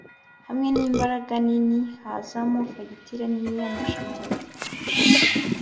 hamwe n'imbaraga nini hazamo fagitire nini y'amashanyarazi